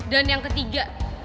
dan yang ketiga